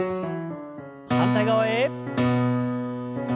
反対側へ。